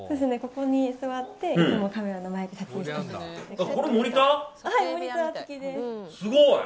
ここに座っていつもカメラの前で撮影しています。